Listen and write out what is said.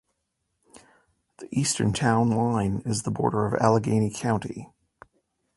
The eastern town line is the border of Allegany County.